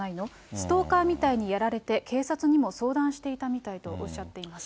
ストーカーみたいにやられて、警察にも相談していたみたいとおっしゃっています。